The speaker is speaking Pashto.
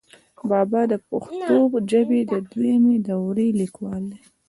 بابا دَپښتو ژبې دَدويمي دورې ليکوال دی،